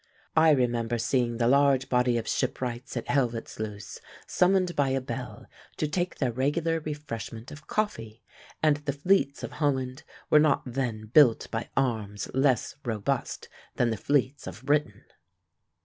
I remember seeing the large body of shipwrights at Helvoetsluys summoned by a bell, to take their regular refreshment of coffee; and the fleets of Holland were not then built by arms less robust than the fleets of Britain.